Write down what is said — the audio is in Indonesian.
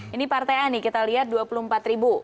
ini partai a nih kita lihat dua puluh empat ribu